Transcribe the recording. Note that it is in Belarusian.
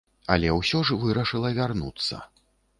Але ўсё ж вырашыла вярнуцца.